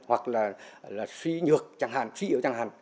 hoặc là suy nhược chẳng hạn suy yếu chẳng hạn